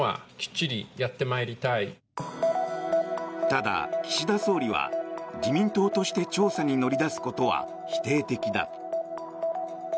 ただ、岸田総理は自民党として調査に乗り出すことは否定的だ。